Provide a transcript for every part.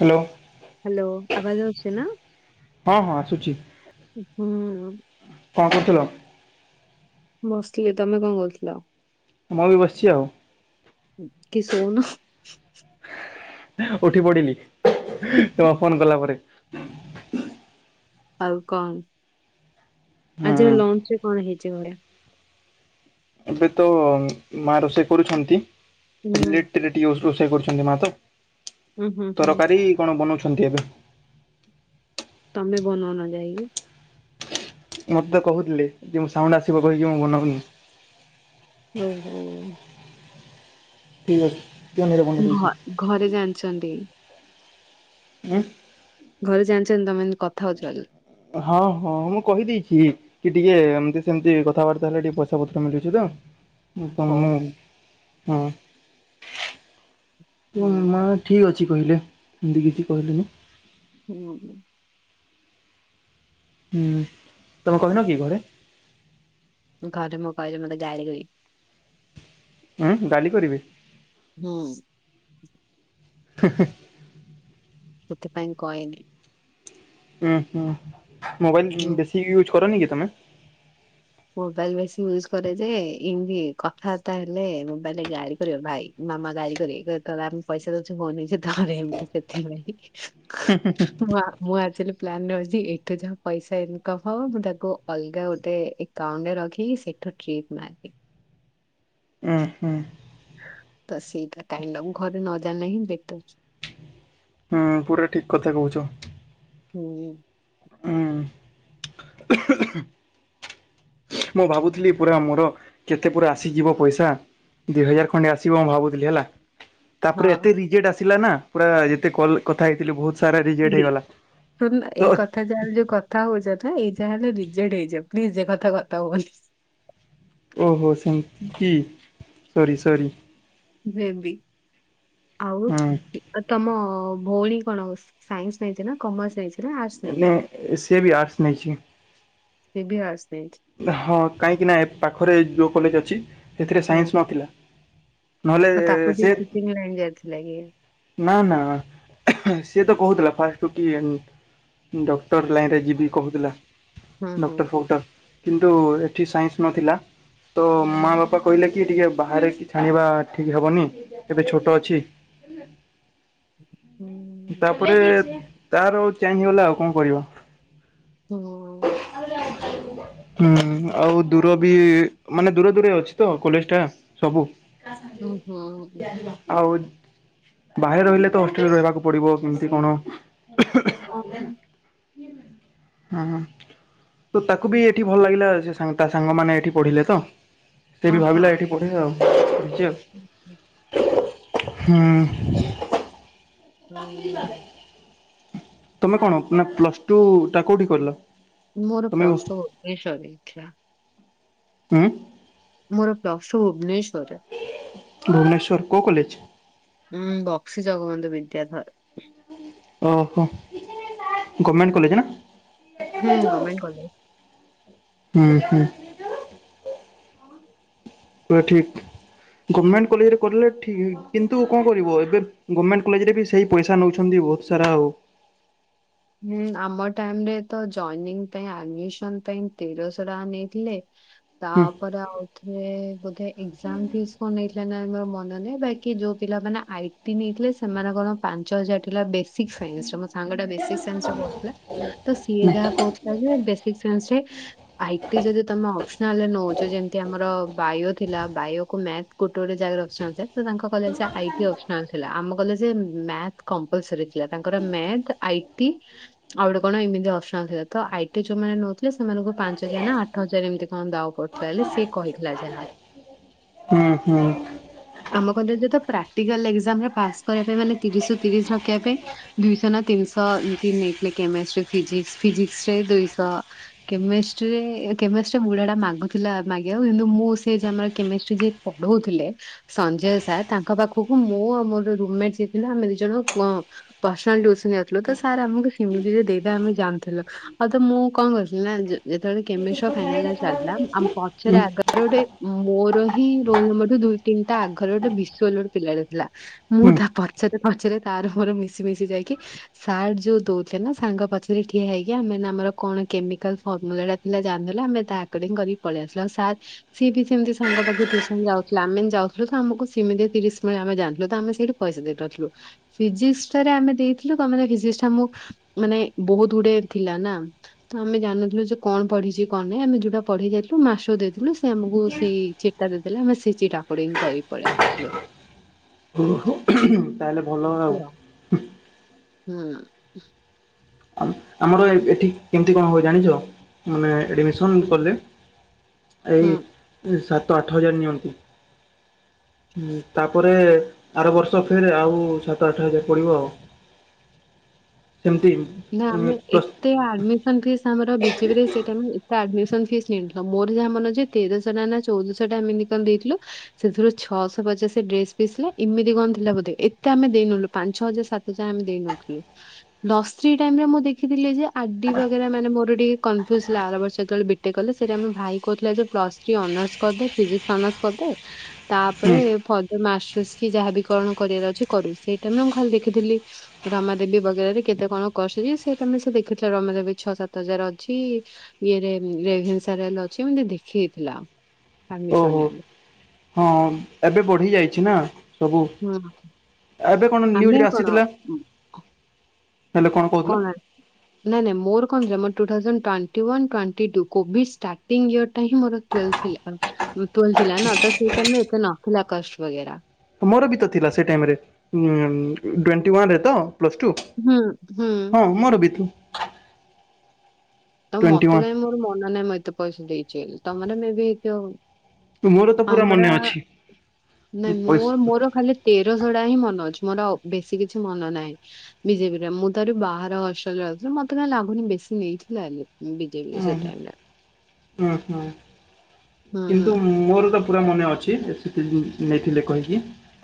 Hello hello ଆବାଜ ଅଛି ନା। ହଁ ହଁ ଆସୁଛି ହୁଁ କଣ କରୁଥିଲ। ବସିଥିଲି ତମେ କଣ କଉଥିଲ। ମୁଁ ବି ବସିଛି ଆଉ। କି ସୋଉନ। ଉଠି ପଡିଲି ତୁମ ଫୋନ କଲା ପରେ। ଆଉ କଣ ହୁଁ ଆଜି ଲଞ୍ଚ ରେ କଣ ହେଇଛି ବଢ଼ିଆ। ଏବେ ତ ମା ରୋଷେଇ କରୁଛନ୍ତି, ହୁଁ ଲେଟ ରୋଷେଇ କରୁଛନ୍ତି ମା ତ ହୁଁ ହୁଁ ହୁଁ ତରକାରୀ କଣ ବନାଉଛନ୍ତି ଏବେ। ତମେ ବନଉନ ଯାଇକି। ମତେ ତ କହୁଥିଲେ ଯେ ମୁଁ ସାଉଣ୍ଡ ଆସିବ କହିକି ମୁଁ ବନଉନି। ହଉ ହଉ। ଠିକ୍ ଅଛି। ପିଅନରେ ବନେଇ ଦଉଛି ଘ ଘରେ ଜାଣିଛନ୍ତି। ଉଁ ଘରେ ଜାଣିଛନ୍ତି ତମେ ଏମତୀ କଥା ହଉଛ। ହଁ ହଁ ମୁଁ କହିଦେଇଛି। କି ଟିକେ ଏମିତି ସେମିତି କଥାବାର୍ତ୍ତା ହେଲେ ଟିକେ ପଇସା ପତ୍ର ମିଳୁଛି ତ। ମୁଁ ହୁଁ ବୋଲି ହଉ। [unintelligible] ଠିକ୍ ଅଛି କହିଲେ ଏମିତି କିିଛି କହିଲେନି। ହୁଁ ଉ ହୁଁ ତମେ କହିନ କି ଘରେ। ଘରେ ମୁଁ କହିଲେ ମୋତେ ଗାଳି କରିବେ। ଉଁ ଗାଲି କରିବେ। ହୁଁ [unintelligible] ସେଥିପାଇଁ କହିନି। ଉଁ ହୁଁ ହୁଁ। ମୋବାଇଲ ବେଶି ୟୁଜ କରନ କି ତମେ। ମୋବାଇଲ ବେଶୀ ୟୁଜ କରେ ଯେ ଏମିତି କଥାବାର୍ତ୍ତା ହେଲେ ମୋବାଇଲରେ ଗାଳି କରିବ ଭାଇ। ମାମା ଗାଳି କରିଏ କହିବେ ତତେ ଆମେ ପଇସା ଦଉଛୁ ହୋନି [unintelligible] [unintelligible] ମୁଁ ଆକ୍ଚୁଆଲି ପ୍ଲାନ୍ ରେ ଅଛି ଏଠୁ ଯାହା ପଇସା ଇନକମ ହବ ମୁଁ ତାକୁ ଅଲଗା ଗୋଟେ ଉଣ୍ଡ ରଖିକି ସେଠୁ ଟ୍ରିପ୍ ମାରିବି। ଏ ହେଁ ତ ସେଇଟା କାଇଁ ନା ମୁ ଘରେ ନ ଜାଣିଲା ହିଁ ବେଟର। ହଁ ପୁରା ଠିକ୍ କଥା କହୁଛ। ହୁଁ ହୁଁ ମୁଁ ଭାବୁଥିଲି ପୁରା ମୋର କେତେ ପୁରା ଆସିଯିବ ପଇସା। ଦିଇ ହଜାର ଖଣ୍ଡେ ଆସିବ ମୁଁ ଭାବୁଥିଲି ହେଲା। ତାପରେ ହଁ ଏତେ ରିଜେଟ୍ ଆସିଲା ନା ପୁରା ଯେତେ କଲ କଥା ହେଇଥିଲି ବହୁତ। ସାରା ରିଜେଟ୍ ହେଇଗଲା ତ କ ଯାହାଲେ ଯୋଉ କଥା ହଉଛ ନା ଏଇ ଯା ହେଲେ ରିଜେଟ ହେଇଯିବ ପ୍ଲିଜ ଏ କଥା କଥା ହୁଅନି। ଓହୋ ସେମିତି କି ସରି ସରି। ବେବି ଆଉ ହୁଁ। ବି ତମ ଭଉଣୀ କଣ ସାଇନ୍ସ ନେଇଚି ନା କମର୍ସ ନେଇଛି? ଆର୍ଟସ ମାନେ ନେଇଛି ସିଏ ବି ଆର୍ଟସ୍ ନେଇଛି। ସେ ବି ଆର୍ଟସ ନେଇଛି। ହଁ କାହିଁକି ନା ପାଖରେ ଯେଉଁ କଲେଜ ଅଛି ସେଥିରେ ସାଇନ୍ସ ନଥିଲା। ନହେଲେ ଆଁ ତାକୁ ବି ସେ ଖୁସିନିଅର ଏଞ୍ଜୟ୍ ଥିଲା କି? ନା ନା ସିଏ ତ କହୁଥିଲା ଫାଷ୍ଟରୁ କି ଆଣ୍ଡ ଡକ୍ଟର ଲାଇନରେ ଯିବି କହୁଥିଲା। ହଁ ହଁ। ଡକ୍ଟର ଫକ୍ଟର କିନ୍ତୁ ଏଠି ସାଇନ୍ସ ନଥିଲା ତ ହୁଁ ମା ବାପା କହିଲେ କି ଟିକେ ବାହାରେ କି ଛାଣିବା ଠିକ୍ ହେବନି ଏବେ ଛୋଟ ଅଛି। ତାପରେ ତାର ଚେନ୍ ହେଇଗଲା ଆଉ କଣ କରିବା? ହୁଁ। [inaudible] ହୁଁ ଆଉ ଦୂର ବି ମାନେ ଦୂରେ ଦୂରେ ଅଛି ତ କଲେଜଟା ସବୁ। ହୁଁ ହୁଁ। ଆଉ ବାହାରେ ରହିଲେ ତ ହଷ୍ଟେଲରେ ରହିବାକୁ ପଡିବ କେମତି କଣ? ହଁ। ତ ତାକୁ ବି ଏଠି ଭଲ ଲାଗିଲା ସେ ତା ସାଙ୍ଗମାନେ ଏଠି ପଢିଲେ ତ। ସେ ବି ଭାବିଲା ଏଠି ପଢ଼ିଆ ଆଉ ସିଏ ହୁଁ ହୁ ହୁଁ। ହୁଁ ହୁଁ ହୁଁ। ତମେ କଣ ନା ପ୍ଲସ ଟୁ ଟା କୋଉଠି କଲ? ମୋର ପ୍ଲସ ଟୁ ଭୁନେଶ୍ବରରେ ହେଇଥିଲା। ହୁଁ। ମୋର ପ୍ଲସ ଟୁ ଭୁବନେଶ୍ୱରରେ। ଭୁବନେଶ୍ଵର କୋଉ କଲେଜ? ହୁଁ ବକ୍ସି ଜଗବନ୍ଧୁ ବିଦ୍ୟାଧର। ଓହୋ ଗମେଣ୍ଟ କଲେଜ ହୁଁ ନା। Government college. ହୁଁ ହୁଁ। ପୁରା ଠିକ୍ ଗମେଣ୍ଟ କଲେଜରେ କଲେ ଠିକ୍ କିନ୍ତୁ କଣ କରିବ ଏବେ? ଗମେଣ୍ଟ କଲେଜରେ ବି ସେଇ ପଇସା ନେଉଛନ୍ତି ବହୁତ ସାରା ଆଉ ହୁଁ ଆମ ଟାଇମରେ ତ ଜଏନିଂ ପାଇଁ ଆଡମିସନ ପାଇଁ ତେରଶହ ଟଙ୍କା ନେଇଥିଲେ। ହୁଁ ତାପରେ ଆଉ ରେ ବୋଧେ ଏକ୍ସାମ ଫିସ କଣ ନେଇଥିଲା ନା ମୋର ମନେ ନାହିଁ ବାକି ଯୋଉ ପିଲାମାନେ ଆଇ ଟି ନେଇଥିଲେ ସେମାନେ କଣ ପାଞ୍ଚ ହଜାର ଥିଲା ବେସିକ ସାଇନ୍ସରେ ମୋ ସାଙ୍ଗଟା ବେସିକ୍ ସିଏ କହୁଥିଲା ସିଏ ଯାହା କହୁଥିଲା ଯେ ବେସିକ୍ ସାଇନ୍ସରେ ଆଇଟି ଯଦି ତମେ ଅପସନାଲରେ ନଉଛ ଯେମତି ଆମର ବାୟୋ ଥିଲା ବାୟୋକୁ ମ୍ୟାଥ ଗୋଟେ ଗୋଟେ ଯାଗାରେ ଅପ୍ସନାଲ ଥାଏ ତାଙ୍କ କଲେଜରେ ଆଇଟି ଅପ୍ସନାଲ ଥିଲା ଆମ କଲେଜ ଯେ ମ୍ୟାଥ୍ କମ୍ପୋଲସରି ଥିଲା ତାଙ୍କର ମ୍ୟାଥ୍ ଆଇ ଟି ଆଉ ଗୋଟେ କଣ ଏମିତି ଅପ୍ସନ୍ ଥିଲା ତ ଆଇ ଟି ଯୋଉମାନେ ନେଉଥିଲେ ସେମାନଙ୍କୁ ପାଞ୍ଚ ହଜାର ନା ଆଠ ହଜାର ଏମିତି କଣ ଦାଉ ପଡିଥିଲା ସିଏ କହିଥିଲା ଯାହା। ହୁଁ ହୁଁ। ଆମ କଲେଜରେ ପ୍ରାକ୍ଟିକାଲ୍ ଏକ୍ସାମରେ ପାସ୍। କରିବା ପାଇଁ ମାନେ ତିରିଶ ରୁ ତିରିଶ ରଖିବା ପାଇଁ ଦୁଇଶହ ନା ତିନିଶହ ତ ଏମତି କେ କେମେଷ୍ଟ୍ରି ଫିଜିକ୍ସ ଫିଜିକ୍ସରେ ଦୁଇଶହ ତ କେମେଷ୍ଟ୍ରିରେ କେମେଷ୍ଟ୍ରିରେ ବୁଢାଟା ମାଗୁଥିଲା ମାଗିବାକୁ ଆଉ କିନ୍ତୁ ମୁଁ ସେଏ ଆମର କେମିଷ୍ଟ୍ରି ଯିଏ ପଢଉଥିଲେ। ସଞ୍ଜୟ ସାର୍ ତାଙ୍କ ପାଖକୁ ମୁଁ ଆଉ ମୋର ରୁମମେଟ ଯେଥିଲା ଆମେ ଦି ଜଣ [inaudible] ପର୍ସନାଲ ଟ୍ୟୁସନ ଯାଉଥିଲୁ ତ ସାର୍ ଆମକୁ ହେମିତିରେ ଦେଇଦେବେ ଆମେ ଜାଣିଥିଲୁ। ହଉ ତ ମୁଁ କଣ କରଥିଲି ନା ଯେ ଯେତେବେଳେ ହୁଁ କେମିଷ୍ଟୋ ଫାଇନାଲ ଚାଲିିଲା ଆମ ପଛରେ ଆଗ ଆର ଗୋଟେ ମୋର ହିଁ ରୋଲ ନମ୍ବରଠୁ ଦୁଇ ତିନିଟା ଆଗର ଗୋଟେ ବିଶ୍ଵଲୋ ପିଲା ଥିଲା। ମୁଁ ତା ପଚରେ ପଚରେେ ତାର ମୋର ମିଶି ମିଶି ଯାଇକି ସାର୍ ଯୋଉ ଦଉଛେ ନା ସାଙ୍ଗ ପଛରେ ଠିଆ ହେଇକି ଆମେନା ଆମର କଣ କେମିକାଲ ଫର୍ମୁଲାଟା ପିଲା ଜାନଦେଲେ ଆମେ ତା ଆକଡିଙ୍ଗ କରି ପଳେଇ ଆସିଲୁ ଆଉ ସା ସିଏ ବି ସେମିତି ସାଙ୍ଗ ପାଖକୁ ଟ୍ୟୁସନ ଯାଉଥିଲା ଆମେ ଯାଉଥିଲୁ ତ ଆମକୁ ସେମିତି ତିରିଶ ମିନିଟ ଆମେ ଜାଥିଲୁ ତ ଆମେ ସେଇଠୁ ପଇସା ଦେଇ ପାଥୁଲୁ ଫିଜିକ୍ସଟାରେ ଆମେ ଦେଇଥିଲୁ କଣ ନା ଫିଜିକ୍ସଟା ଆମକୁ ମାନେ ବହୁତ ଗୁଡ଼େ ଥିଲା ନା। ତ ଆମେ ଜାନନଥିଲୁ ଯେ କଣ ପଢ଼ିଛି କଣ ନାହିଁ ଆମେ ଯୋଉଟା ପଢ଼ିକି ଯାଇଥିଲୁ ମାସ ଦେଇଥିଲୁ ସେ ଆମକୁ ସେଇ ଚି ଦେଇଦେଲେ ଆମେ ସେ ଚି ଅକୁଡିଙ୍ଗ କରି ପଳେଇ ଆସିଲୁ। ଓହୋ ତାହେଲେ ଭଲ ଆଉ। ହୁଁ। ଆମ- ଆମର ଏ ଏଠି କେମିତି କଣ ହୁଏ ଜାଣିଛ ମାନେ ଏଡି ସନ୍ ହୁଁ କଲେ ହୁଁ ଏଇ ସାତ ଆଠ ହଜାର ନିଅନ୍ତି। ହୁଁ ତାପରେ ଆର ବର୍ଷ ଫେର ଆଉ ସାତ ଆଠ ହଜାର ପଡ଼ିବ ଆଉ। ସେମତି। ନା ଆମେ ଏକ ଏ ଆଡମିସନ ଫିସ୍ ଆମର ବିଜେପିରେ ସେଇଟା ଏତେ ଆଡମିସନ ଫିସ୍ ନିଣିଥିଲ ମୋର ଯାହା ମନ ଅଛି ତେରଶହ ଟା ନା ଚଉଦଶହ ଟା ଏମିତି କଣ ଦେଇଥିଲୁ। ସେଥିରୁ ଛଅଶହ ପଚାଶ ଡ୍ରେସ ପିସିଲେ ଏମିତି କଣ ଥିଲା ବୋଧେ ଏତେ ଆମେ ଦେଇନଲୁ। ପାଞ୍ଚ ଛଅ ହଜାର ସାତ ହଜାର ଆମେ ଦେଇନଥିଲୁ ଲସ୍। ସେଇ ଟାଇମ ରେ ମୁଁ ଦେଖିଥିଲି ଯେ ଆଡି ବଗେରା ମାନ ମୋର ଟିକେ କନଫ୍ୟୁଜ୍ ହେଥିଲା ଆର ବର୍ଷ ଯେତବେଳେ ବି ଟେକେ କଲେ ସେଟା ମୋ ଭାଇ କହୁଥିଲା ଯେ ପ୍ଲସ ଥ୍ରୀ ଅନର୍ସ କରିଦେ ଫିଜିକ୍ସ ଅନର୍ସ କରିଦେ। ହୁଁ, [unintelligible] କରିବାର ଅଛି କରୁ ସେଇଟା ମୁଁ ଖାଲି ଦେଖିଥିଲି। ରମାଦେବୀ ବଗେରାରେ କେତେ କଣ କସୁଛି ସେଟା ସେ ଦେଖୁଥିଲେ ରମାଦେବୀ ଛଅ ସାତ ହଜାର ଅଛି। ଓହୋ [unintelligible] ହଁ ଏବେ ବଢ଼ିଯାଇଛି ନା। ସବୁ ହୁଁ ଏବେ କଣ ଆମେ ନ୍ୟୁଜରେ କଣ ଆସିଥିଲା? ହେଲେ କହୁଥିଲ? କଣ? ନାଇଁ ନାଇଁ ମୋର କଣ ଥିଲା ମୋ two thousand twenty one twenty two Covid starting year ଟା ହଁ ମୋର [unintelligible] ମୋର ବି ତ ଥିଲା ସେ ଟାଇମରେ ଉଁ ଟ୍ୱଣ୍ଟି ୱାନରେ ତ ପ୍ଲସ ଟୁ। ହୁଁ ହୁଁ। ହଁ ମୋର ବି ତୁ ତ ଟ୍ୱେଣ୍ଟି ମତେ ୱାନ୍ କାଇଁ ମୋର ମନ ନାହିଁ ମୁଁ ଏତେ ପଇସା ଦେଇଛି ତାମାନେ ମେ ବିତୁ ମୋର ତ ପୁରା ମନେ ଆମର ଅଛି। ନାଇଁ ମୁଁ ପଇସା ମୋର ଖାଲି ତେରଶ ଟା ହିଁ ମନେ ଅଛି ମୋର ଆ ବେଶୀ କିଛି ମନ ନାହିଁ। ବିଜେପିରେ ମୁଁ ତ ହେଟି ବାହାର ହଷ୍ଟେଲରେ ଯାଉଥିଲି ମତେ କାଁ ଲାଗୁନି ବେଶୀ ନେଇଥି ଜାନନୀ ହୁଁ ବିଜେପିରେ ସେ ଟାଇମ ରେ ହୁଁ ହୁଁ କିନ୍ତୁ ହୁଁ ମୋର ତ ପୁରା ମନେ ଅଛି ଏତିକି ନେଇଥିଲେ କହିକି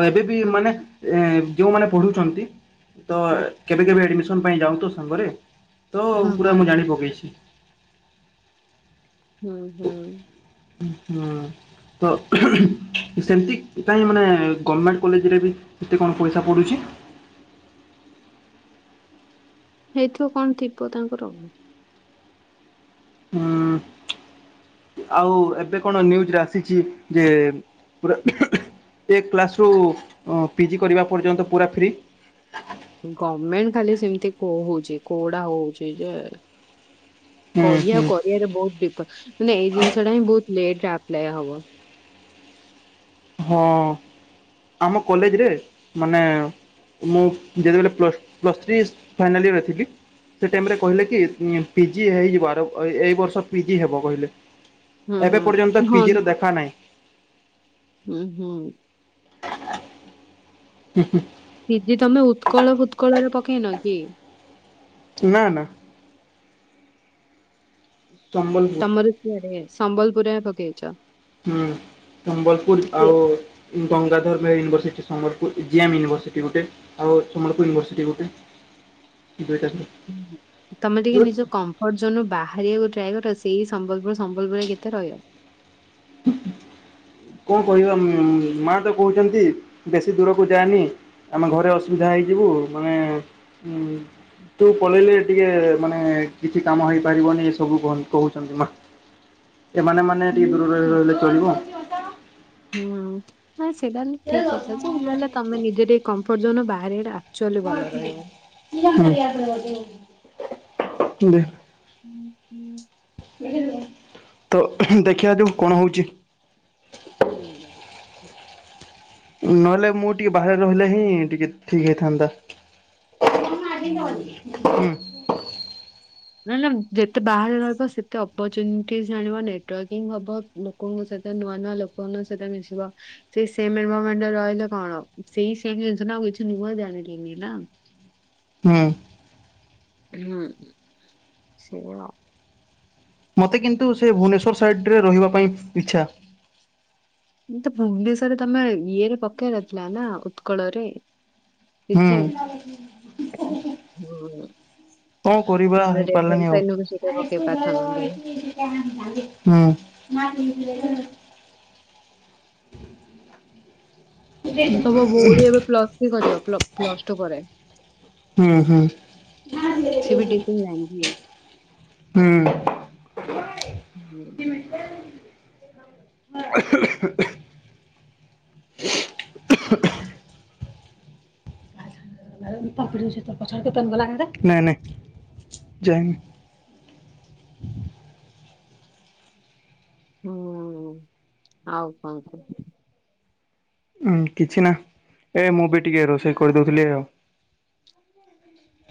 ଆଉ ଏବେ ବି ହୁଁ ମାନେ ଏ ଯେଉଁମାନେ ପଢ଼ୁଛନ୍ତି ତ ହୁଁ କେବେ କେବେ ଆଡ଼ମିସନ ପାଇଁ ଯାଉ ତ ସାଙ୍ଗରେ। ତ ହୁଁ ହୁଁ ପୁରା ମୁଁ ଜାଣି ପକେଇଛି। ହୁଁ ହୁଁ। ହୁଁ ହଁ। ତ ସେମିତି କାଇଁ ମାନେ ଗମେଣ୍ଟ କଲେଜରେ ବି କେତେ କଣ ପଇସା ପଡ଼ୁଛି? ହେଇଥିବ କଣ ଥିବ ତାଙ୍କର। ହଁ। ଆଉ ଏବେ କଣ ନ୍ୟୁଜ୍ ରେ ଆସିଛି ଯେ ପୁରା ଏ କ୍ଲାସ୍ ରୁ ପିଜି କରିବା ପର୍ଯ୍ୟନ୍ତ ପୁରା ଫ୍ରି। ଗମେଣ୍ଟ ଖାଲି ସେମିତି କହୁଚି କୋଟା ହଉଚି ଯେ? ହୁଁ କହିଆ ଆଉ ହୁଁ କରିଆରେ ବହୁତ [unintelligible] ମାନେ ଏଇ ଜିନିଷ ଟା ହିଁ ବହୁତ ଲେଟରେ ଆପ୍ଲାଏ ହବ। ହଁ ଆମ କଲେଜରେ ମାନେ ମୁଁ ଯେତେବେଲେ plus plus three final year ରେ ଥିଲି। ସେ ଟାଇମ ରେ କହିଲେ କି ଉଁ ପିଜି ହେଇଯିବ ଆର ଏଇ ବର୍ଷ ପିଜି ହେବ କହିଲେ। ହୁଁ ଏବେ ହୁଁ ପର୍ଯ୍ୟନ୍ତ ପିଜି ର ଦେଖା ନହିଁ। ଉଁ ହୁଁ। [inaudible] ହୁଁ-ହୁଁ। ପିଜି ତମେ ଉତ୍କଳ ଫୁତ୍କଳ ରେ ପକେଇନ କି? ନାଁ ନାଁ। ସମ୍ବଲପୁର ତମର କ୍ଲିୟର ହୋଇଯାଇଚି ସମ୍ବଲପୁରରେ ପକେଇଚ? ହୁଁ ସମ୍ବଲପୁର ଆଉ Gangadhar Meher university Sambalpur, GM university ଗୋଟେ। ଆଉ ସମ୍ବଲପୁର ୟନିଭାର୍ସିଟି ଗୋଟେ, କିନ୍ତୁ ଏଇଟା ତମେ ଟିକେ ନିଜ କମ୍ ଯୋଉନ ବାହାରିବାକୁ ଟ୍ରାଏ କର ସେଇ ସମ୍ବଲପୁର ସମ୍ବଲପୁରରେ କେତେ ରହିବ? [inaudible] କଣ କହିବା ମୁଁ ମାଆ ତ କହୁଛନ୍ତି ବେଶୀ ଦୂରକୁ ଯାଆନି। ଆମେ ଘରେ ଅସୁବିଧା ହେଇଯିବୁ, ମାନେ ଉଁ ତୁ ପଳେଇଲେ ଟିକେ ମାନେ କିଛି କାମ ହେଇପାରିବନି ଏ ସବୁ କହନ କହୁଛନ୍ତି ମା। ଏମାନେ ମାନେ ଟିକେ ଦୂରରେ ରହିଗଲେ ଚଳିବ। ହୁଁ ହଁ ସେଇଟା ହେଲେ ଠିକ କଥା ଯେ ହେଲେ-ହେଲେ ତମେ ନିଜେ ଟିକେ କମଫୋର୍ଟ ଜୋନ୍ ବାହାରେଟା ଆକଚୁଆଲି ଭଲ ରହିବ। କି [inaudible] ହୁଁ [unintelligible] ତ ଦେଖିବା ଯୋଉ କଣ ହଉଛି? ହୁଁ। ନହେଲେ ମୁଁ ଟିକେ ବାହାରେ ରହିଲେ ହିଁ ଟିକେ ଠିକ୍ ହେଇଥାନ୍ତା। ହୁଁ। [unintelligible] [unintelligible] ହୁଁ। ନା-ନା ଯେତେ ବାହାରେ ରହିବ ସେତେ ଅପରଚୁନିଟି ଆଣିବ ନେଟୱର୍କିଙ୍ଗ ହବ। ଲୋକଙ୍କ ସହିତ ନୂଆ-ନୂଆ ଲୋକମାନଙ୍କ ସହିତ ମିଶିବ। ସେ ସେମ୍ ଏନଭାରର୍ମେଣ୍ଟ ରହିଲେ କଣ ସେଇ ସେ ଜିନିଷଟା ଆଉ କିଛି ନୁଆ ଜାଣିଲିନି ନା? ହୁଁ। ହୁଁ ସେଇଆ ଆଉ। ମୋତେ କିନ୍ତୁ ସେ ଭୁବନେଶ୍ୱର ସାଇଡ଼ରେ ରହିବା ପାଇଁ ଇଚ୍ଛା। ତ ଭୁବନେଶରରେ ତମେ ଇଏରେ ପକେଇଆର ଥିଲା ନା ଉତ୍କଳ ରେ। ପିଜି ହୁଁ ଆକ୍ ହୁଁ। କଣ କରିବା ନହେଲେ ହେଇପାରିଲାନି ରେଭେନ୍ସା ଆଉ? ୟୁନିଭର୍ସିଟିରେ ପକେଇ ପାରିଥାନ୍ତ କି। [unintelligible] ହଁ। [unintelligible] ତମ ଭଉଣୀ ଏବେ ପ୍ଲସ ଥ୍ରି କରିବ ପ୍ଲସ ଟୁ ପରେ? ହୁଁ-ହୁଁ। ସେ ବି ଡିଫରେଣ୍ଟ ଲାଇନ ଝିଅ। ହଁ। [unintelligible] [unintelligible] [inaudible] [unintelligible] ନାଇଁ ନାଇଁ ଯାଇନି। ହୁଁ ଆଉ କଣ କୁ ଉଁ କିଛି ନା ଏ ମୁଁ ବି ଟିକେ ରୋଷେଇ କରିଦଉଥିଲି ଆଉ।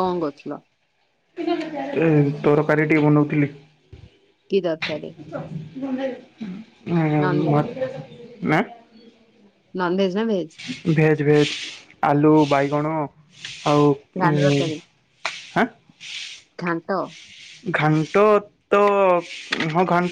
କଣ କରୁଥିଲ? ଏ ତରକାରୀ ଟିକେ ବନଉଥିଲି। କି ତରକାରୀ ନନଭେଜ ନା। ନନଭେଜ୍ ନା ଭେଜ୍? Veg veg. ଆଲୁ, ବାଇଗଣ ଆଉ ଘାଣ୍ଟ ଉଁ ତରକାରୀ ଆଁ? ଘାଣ୍ଟ। ଘାଣ୍ଟ ତ ହଁ ଘାନ୍